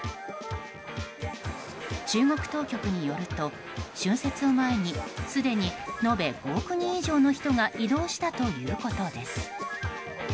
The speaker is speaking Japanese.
中国当局によると、春節を前にすでに延べ５億人以上の人が移動したということです。